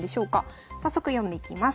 早速読んでいきます。